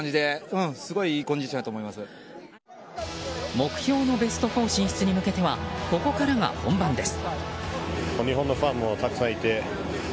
目標のベスト４進出に向けてはここからが本番です。